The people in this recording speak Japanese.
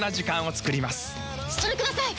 それください！